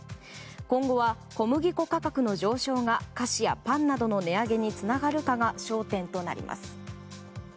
今後は小麦粉価格の上昇が菓子やパンなどの値上げにつながるかが焦点となります。